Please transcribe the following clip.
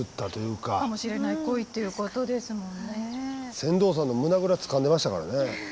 船頭さんの胸ぐらつかんでましたからね。